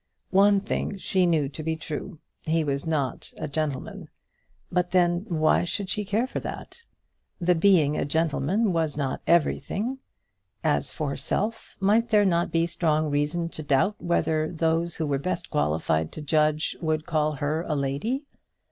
One thing she knew to be true he was not a gentleman. But then, why should she care for that? The being a gentleman was not everything. As for herself, might there not be strong reason to doubt whether those who were best qualified to judge would call her a lady?